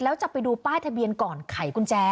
แล้วจะไปดูป้ายทะเบียนก่อนไขกุญแจ